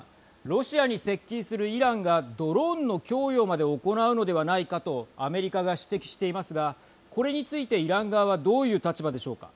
ロシアに接近するイランがドローンの供与まで行うのではないかとアメリカが指摘していますがこれについて、イラン側はどういう立場でしょうか。